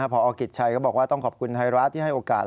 พอกิจชัยก็บอกว่าต้องขอบคุณไทยรัฐที่ให้โอกาส